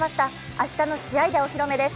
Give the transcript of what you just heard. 明日の試合でお披露目です。